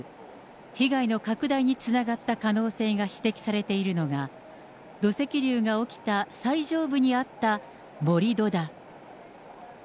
被害の拡大につながった可能性が指摘されているのが、土石流が起きた最上部にあった盛り土だ。